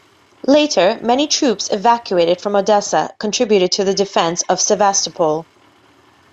Later, many troops evacuated from Odessa contributed to the defense of Sevastopol.